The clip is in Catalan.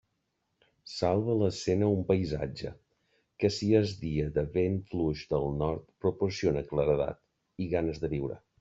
Salva l'escena un paisatge, que si és dia de vent fluix del nord, proporciona claredat i ganes de viure.